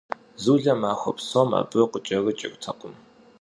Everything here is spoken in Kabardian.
Zule maxue psom abı khıç'erıç'ırtekhım.